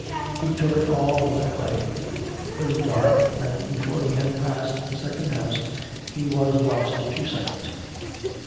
He took it all and went away. It was dark, and before he had passed the second house he was lost to sight.